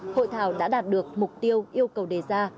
hội thảo đã đạt được mục tiêu yêu cầu đề ra